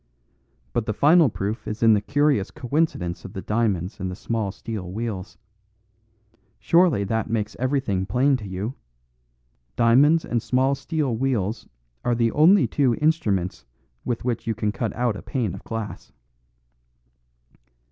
But the final proof is in the curious coincidence of the diamonds and the small steel wheels. Surely that makes everything plain to you? Diamonds and small steel wheels are the only two instruments with which you can cut out a pane of glass."